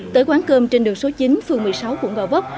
tới quán cơm trên đường số chín phường một mươi sáu quận gò vấp